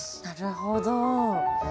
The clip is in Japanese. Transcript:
なるほど。